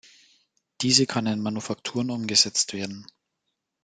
Diese kann in Manufakturen umgesetzt werden.